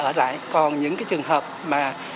ở lại còn những cái trường hợp mà